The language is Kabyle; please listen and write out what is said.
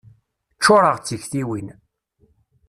Ččureɣ d tiktiwin.